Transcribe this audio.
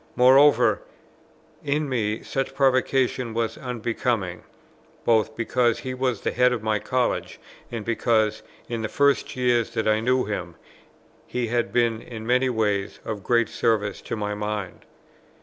Moreover, in me such provocation was unbecoming, both because he was the Head of my College, and because, in the first years that I knew him, he had been in many ways of great service to my mind.